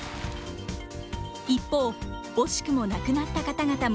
一方惜しくも亡くなった方々も。